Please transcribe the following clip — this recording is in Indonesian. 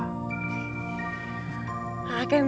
model mana yang mereka suka